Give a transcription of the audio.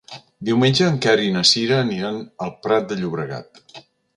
Diumenge en Quer i na Sira aniran al Prat de Llobregat.